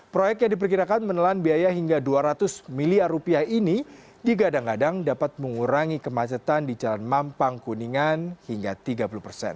proyek yang diperkirakan menelan biaya hingga dua ratus miliar rupiah ini digadang gadang dapat mengurangi kemacetan di jalan mampang kuningan hingga tiga puluh persen